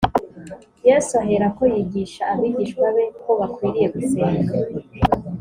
yesu aherako yigisha abigishwa be ko bakwiriye gusenga.